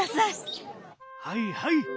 はいはい！